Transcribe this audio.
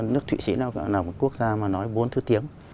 nước thụy sĩ nào cũng là một quốc gia mà nói bốn thứ tiếng